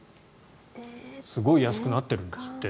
すごい安くなってるんですって。